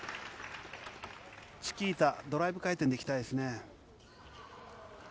チキータ、ドライブ回転でいきたいですね。